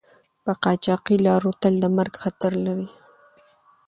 په قاچاقي لارو تل د مرګ خطر لری